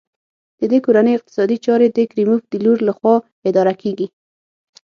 د دې کورنۍ اقتصادي چارې د کریموف د لور لخوا اداره کېږي.